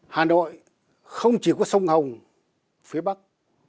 hà nội không chỉ có sông hồng phía bắc